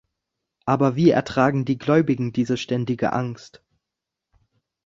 Aber wie ertragen die Gläubigen diese ständige Angst?